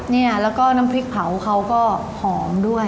เนี่ยแล้วก็น้ำพริกเผาเขาก็หอมด้วย